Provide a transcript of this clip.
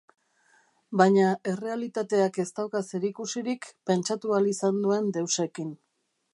Baina errealitateak ez dauka zerikusirik pentsatu ahal izan duen deusekin.